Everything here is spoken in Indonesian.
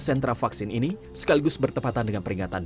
sentra vaksin ini sekaligus bertepatan dengan peringatan